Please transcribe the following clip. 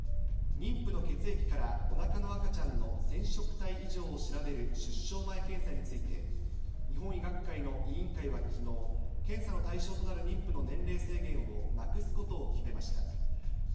妊婦の血液からおなかの赤ちゃんの染色体異常を調べる出生前検査について、日本医学会の委員会はきのう、検査の対象となる妊婦の年齢制限をなくすことを決めました。